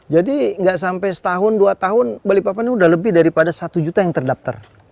nggak sampai setahun dua tahun balikpapan ini sudah lebih daripada satu juta yang terdaftar